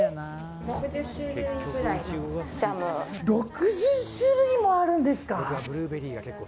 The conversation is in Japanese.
６０種類もあるんですか。